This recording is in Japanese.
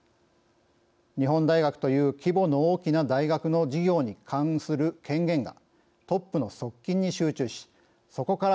日本大学という規模の大きな大学の事業に関する権限がトップの側近に集中しそこから